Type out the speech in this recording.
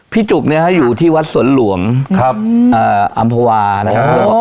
พี่จุ๊กอยู่ที่วัดสนหลวงอำภาวานะครับ